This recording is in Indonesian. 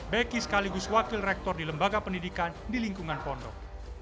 beki sekaligus wakil rektor di lembaga pendidikan di lingkungan pondok